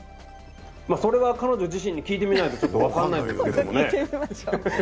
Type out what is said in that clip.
それは彼女自身に聞いてみないと、ちょっと分からないですけどね。